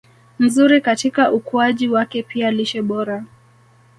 nzuri katika ukuaji wake Pia lishe bora